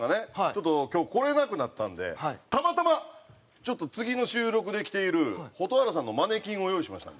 ちょっと今日来れなくなったんでたまたまちょっと次の収録で来ている蛍原さんのマネキンを用意しましたんで。